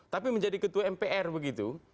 tapi menjadi ketua mpr begitu